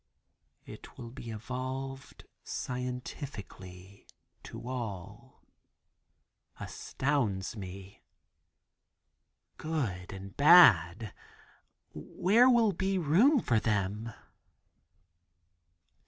"It will be evolved scientifically to all," astounds me. "Good and bad, where will be room for them?"